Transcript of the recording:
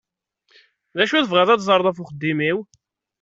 D acu i tebɣiḍ ad teẓṛeḍ ɣef uxeddim-iw?